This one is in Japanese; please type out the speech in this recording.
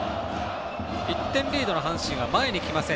１点リードの阪神は前に来ません。